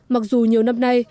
mặc dù nhiều năm nay